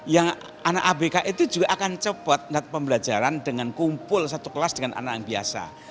yang anak abk itu juga akan cepat pembelajaran dengan kumpul satu kelas dengan anak yang biasa